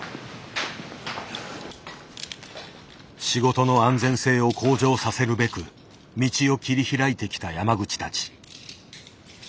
仕事の安全性を向上させるべく道を切り開いてきた山口たち。